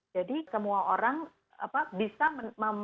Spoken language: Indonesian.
jadi semua orang bisa meletakkan